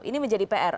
ini menjadi pr